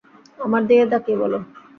আমার দিকে তাকিয়ে বলো।